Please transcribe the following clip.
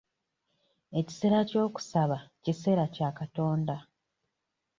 Ekiseera ky'okusaba kiseera kya Katonda.